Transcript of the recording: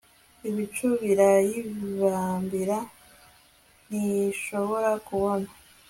ibicu birayibambira, ntishobore kubona